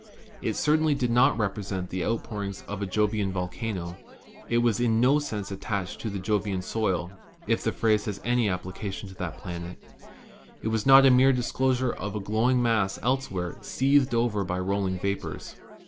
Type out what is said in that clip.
It certainly did not represent the outpourings of a Jovian volcano; it was in no sense at tached to the Jovian soil — if the phrase have any applica tion to that planet ; it was not a mere disclosure of a glow ing mass elsewhere seethed over by rolling vapors.